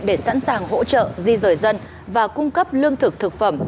để sẵn sàng hỗ trợ di rời dân và cung cấp lương thực thực phẩm